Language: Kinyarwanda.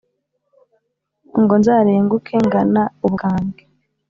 ngo nzarenguke ngana ubukambwe